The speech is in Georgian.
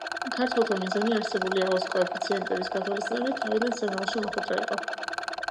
ქართველთა მიზანი, არსებული ელოს კოეფიციენტების გათვალისწინებით, თავიდან სამეულში მოხვედრა იყო.